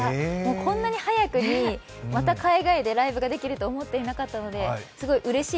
こんなに早くに、また海外でライブができると思っていなかったのでまた